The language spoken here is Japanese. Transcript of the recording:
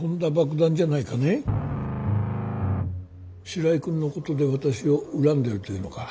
白井君のことで私を恨んでいるというのか。